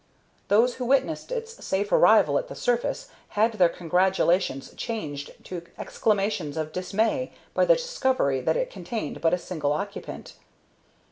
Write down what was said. Those who witnessed its safe arrival at the surface had their congratulations changed to exclamations of dismay by the discovery that it contained but a single occupant.